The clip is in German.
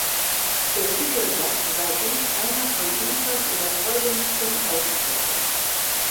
Für Tittelbach sei dies einer von Liefers überzeugendsten Auftritten.